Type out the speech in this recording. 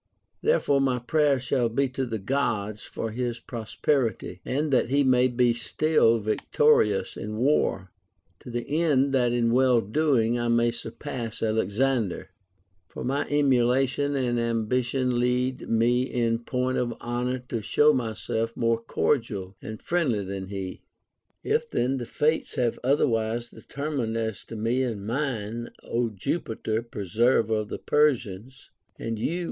Therefore my prayers shall be to the Gods for his prosperity, and that he may be still victorious in war ; to the end that in well doing I may surpass Alexander. For my emulation and ambition lead OF ALEXANDER THE GREAT. 503 mo in point of honor to show myself more cordial and friendly than he. If then the Fates have otherwise deter mined as to me and mine, Ο Jupiter preserver of the Persians, and you.